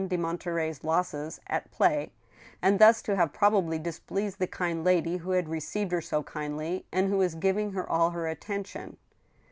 de Montereyls losses at play, and thus to have probably dis pleased the kind lady who had received her so kindly, and who was giving her all her attention.